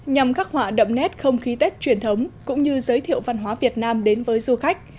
nhằm khắc họa đậm nét không khí tết truyền thống cũng như giới thiệu văn hóa việt nam đến với du khách